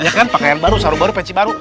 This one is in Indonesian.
iya kan pakaian baru sarung baru peci baru